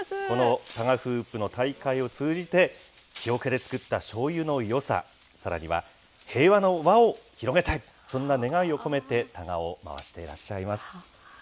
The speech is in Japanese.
このタガフープの大会を通じて、木おけで造ったしょうゆのよさ、さらには平和の輪を広げたい、そんな願いを込めてタガを回してらっしゃいます。